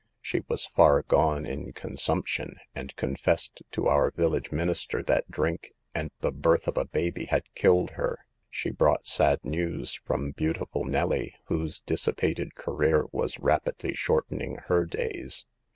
She was far gone in consumption, and confessed to our village minister that drink and the birth of a baby had killed her, She brought sad news from beautiful Nelly, whose dissipated career was rapidly shortening her days.